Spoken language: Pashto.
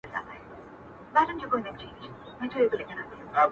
هغه ښه دي نه چي ستا پر عقل سم وي!.